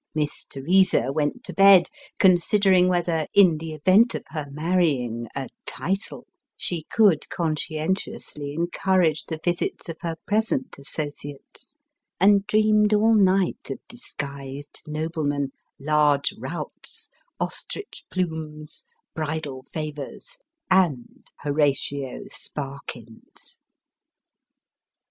Miss Teresa went to bed, con sidering whether, in the event of her marrying a title, she could conscientiously encourage the visits of her present associates; and dreamed, all night, of disguised noblemen, large routs, ostrich plumes, bridal favours, and Horatio Sparkins.